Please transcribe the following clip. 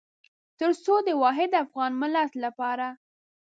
تر څو د واحد افغان ملت لپاره.